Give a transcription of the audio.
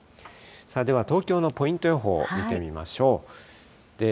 では東京のポイント予報を見てみましょう。